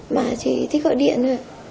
mà chị thích gọi điện